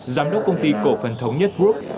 giám đốc công ty cổ phần thống nhất group